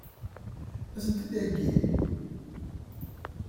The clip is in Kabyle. Ad sent-ten-id-theggi?